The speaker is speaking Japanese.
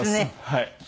はい。